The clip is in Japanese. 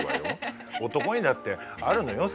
男にだってあるのよ